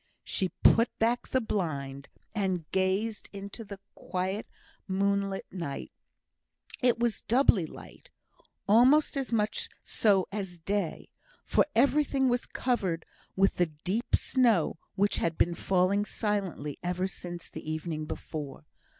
She put back the blind, and gazed into the quiet moonlight night. It was doubly light almost as much so as day for everything was covered with the deep snow which had been falling silently ever since the evening before.